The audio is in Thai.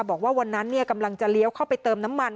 บอกว่าวันนั้นกำลังจะเลี้ยวเข้าไปเติมน้ำมัน